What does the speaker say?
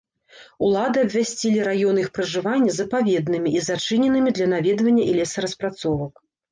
Улады абвясцілі раёны іх пражывання запаведнымі і зачыненымі для наведвання і лесараспрацовак.